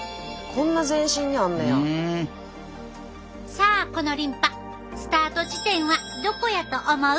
さあこのリンパスタート地点はどこやと思う？